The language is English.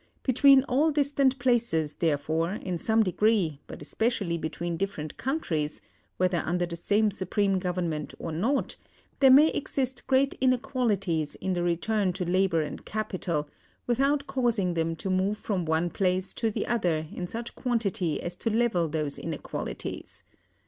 Between all distant places, therefore, in some degree, but especially between different countries (whether under the same supreme government or not), there may exist great inequalities in the return to labor and capital, without causing them to move from one place to the other in such quantity as to level those inequalities.